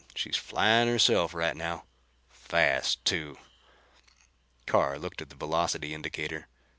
She's flying herself right now. Fast, too." Carr looked at the velocity indicator.